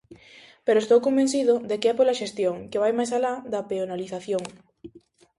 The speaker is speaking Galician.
Pero estou convencido de que é pola xestión, que vai máis alá da peonalización.